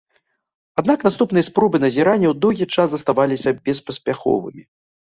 Аднак наступныя спробы назіранняў доўгі час заставаліся беспаспяховымі.